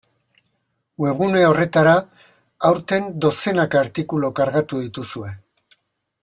Webgune horretara, aurten, dozenaka artikulu kargatu dituzue.